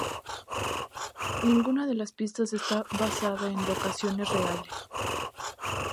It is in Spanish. Ninguna de las pistas está basada en locaciones reales.